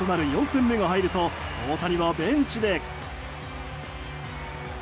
４点目が入ると大谷はベンチで。